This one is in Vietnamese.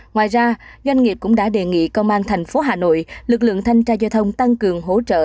ngoài ra doanh nghiệp cũng đã đề nghị công an thành phố hà nội lực lượng thanh tra giao thông tăng cường hỗ trợ